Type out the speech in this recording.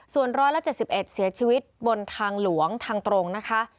ส่วน๑๗๑เสียชีวิตบนทางหลวงทางตรงนะคะ